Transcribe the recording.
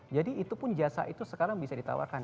jadi itu pun jasa itu sekarang bisa ditawarkan